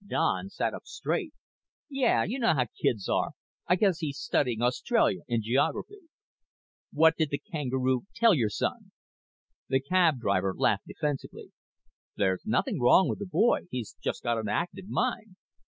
Don sat up straight. "Yeah. You know how kids are. I guess he's studying Australia in geography." "What did the kangaroo tell your son?" The cab driver laughed defensively. "There's nothing wrong with the boy. He's just got an active mind."